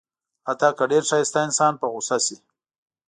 حتی که ډېر ښایسته انسان په غوسه شي.